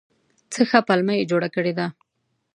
څه ښه پلمه یې جوړه کړې ده !